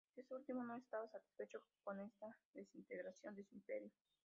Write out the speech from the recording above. Este último no estaba satisfecho con esta desintegración de su imperio.